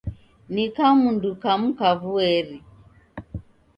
Ni kamundu kamu kavueri!